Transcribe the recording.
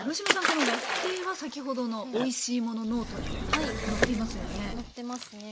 このラフテーは先ほどの「おいしいものノート」にも載っていますよね？